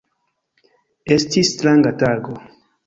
Estis stranga tago.